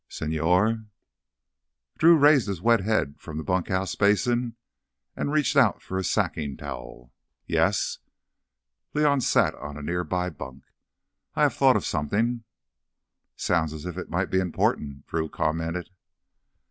"Señor—?" Drew raised his wet head from the bunkhouse basin and reached out for a sacking towel. "Yes?" León sat on a near by bunk. "I have thought of something—" "Sounds as if it might be important," Drew commented.